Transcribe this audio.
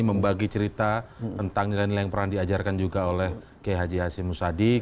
membagi cerita tentang nilai nilai yang pernah diajarkan juga oleh k h h musadi